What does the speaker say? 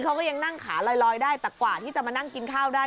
เขาก็ยังนั่งขาลอยได้แต่กว่าที่จะมานั่งกินข้าวได้